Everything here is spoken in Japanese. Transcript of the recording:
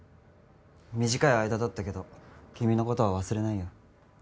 短い間だったけど君のことは忘れないよ。